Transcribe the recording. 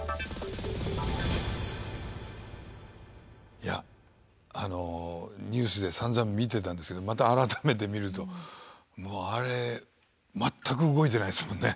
いやニュースでさんざん見てたんですけどまた改めて見るとあれ全く動いてないですもんね